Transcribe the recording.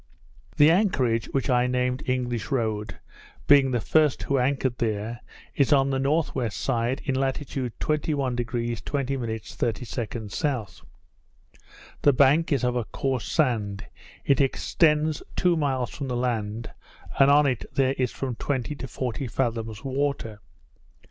The anchorage, which I named English Road, being the first who anchored there, is on the N.W. side, in latitude 21° 20' 30" south. The bank is a coarse sand; it extends two miles from the land, and on it there is from twenty to forty fathoms water.